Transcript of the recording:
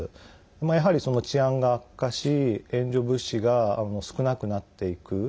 やはり、治安が悪化し援助物資が少なくなっていく。